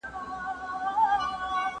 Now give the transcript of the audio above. که د غونډۍ پر څوکه ونه جوړېدلای نه سې